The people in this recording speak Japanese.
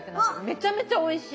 めちゃめちゃおいしい。